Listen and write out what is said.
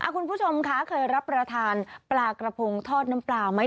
คุณผู้ชมคะเคยรับประทานปลากระพงทอดน้ำปลาไหม